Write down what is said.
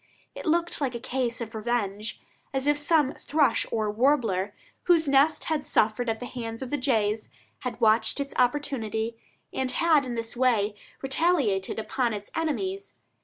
It looked like a case of revenge; as if some thrush or warbler, whose nest had suffered at the hands of the jays, had watched its opportunity, and had in this way retaliated upon its enemies.